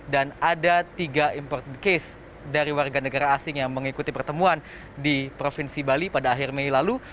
dan ada tiga important case dari warga negara asing yang mengikuti pertemuan di provinsi bali pada akhir mei lalu